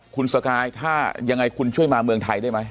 คุณสกายถ้ายังไงคุณช่วยมาเมืองไทยได้ไหม